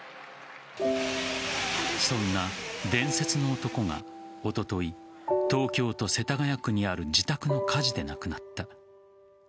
そんな伝説の男が、おととい東京都世田谷区にある自宅の火事で亡くなった。